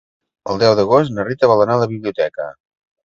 El deu d'agost na Rita vol anar a la biblioteca.